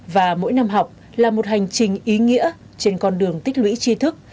và mỗi năm học là một hành trình ý nghĩa trên con đường tích lũy chi thức